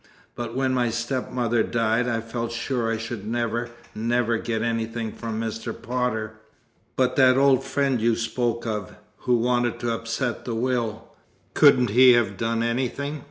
But when my stepmother died I felt sure I should never, never get anything from Mr. Potter." "But that old friend you spoke of, who wanted to upset the will? Couldn't he have done anything?"